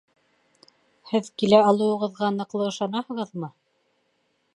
Һеҙ килә алыуығыҙға ныҡлы ышанаһығыҙмы?